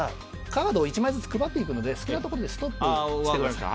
カードを１枚ずつ配っていくので好きなところでストップしてください。